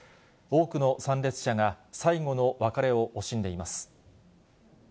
多くの参列者が最後の別れを惜しんでいます。